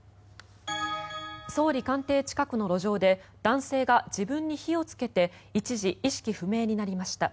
総理官邸近くの路上で男性が自分に火をつけて一時、意識不明になりました。